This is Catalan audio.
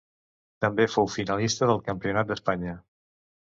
També fou finalista del Campionat d'Espanya.